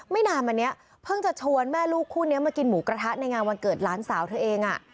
ไม่นานมานี้เพิ่งจะชวนแม่ลูกคู่นี้มากินหมูกระทะในงานวันเกิดหลานสาวเธอเอง